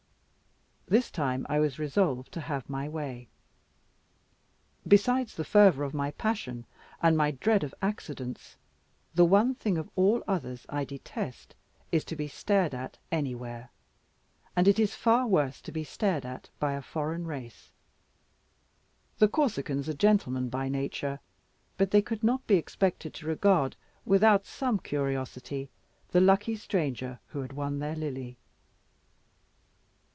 This time I was resolved to have my way. Besides the fervour of my passion and my dread of accidents, the one thing of all others I detest is to be stared at anywhere. And it is far worse to be stared at by a foreign race. The Corsicans are gentlemen by nature, but they could not be expected to regard without some curiosity the lucky stranger who had won their Lily.